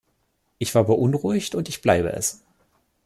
Ich war beunruhigt und ich bleibe es.